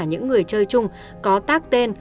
những người chơi chung có tác tên